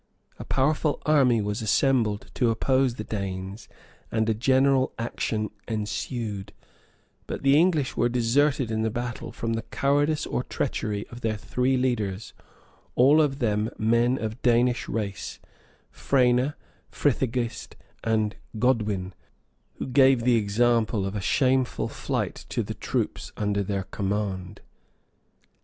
A powerful army was assembled to oppose the Danes, and a general action ensued; but the English were deserted in the battle, from the cowardice or treachery of their three leaders, all of them men of Danish race, Frena, Frithegist, and Godwin, who gave the example of a shameful flight to the troops under their command.